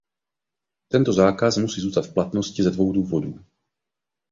Tento zákaz musí zůstat v platnosti ze dvou důvodů.